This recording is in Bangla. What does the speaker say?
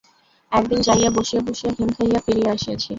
একদিন যাইয়া বসিয়া বসিয়া হিম খাইয়া ফিরিয়া আসিয়াছি।